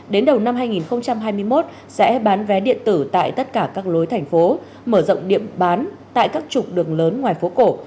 đến đầu năm hai nghìn hai mươi một sẽ bán vé điện tử tại tất cả các lối thành phố mở rộng điểm bán tại các trục đường lớn ngoài phố cổ